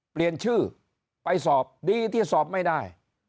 เปลี่ยนชื่อไปสอบดีที่สอบไม่ได้